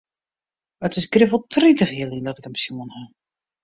It is grif wol tritich jier lyn dat ik him sjoen ha.